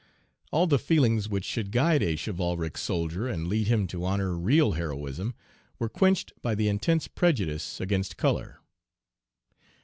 All the feelings which should guide a chivalric soldier and lead him to honor real heroism, were quenched by the intense prejudice against color.